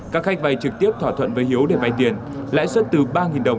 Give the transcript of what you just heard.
các khách vay trực tiếp thỏa thuận với hiếu để vay tiền lãi suất từ ba đồng